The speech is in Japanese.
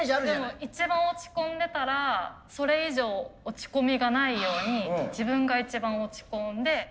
でも一番落ち込んでたらそれ以上落ち込みがないように自分が一番落ち込んで。